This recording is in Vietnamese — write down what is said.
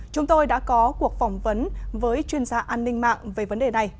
chúng tôi đã có cuộc phỏng vấn với chuyên gia an ninh mạng về vấn đề này